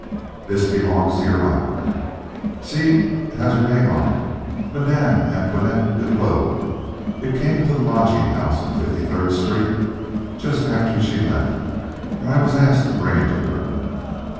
"This belongs to your aunt. See, it has her name on it, Madame Antoinette Duclos. It came to the lodging house in Fifty third Street just after she left, and I was asked to bring it to her.